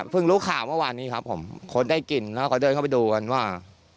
รู้ข่าวเมื่อวานนี้ครับผมคดได้กลิ่นแล้วก็เดินเข้าไปดูกันว่า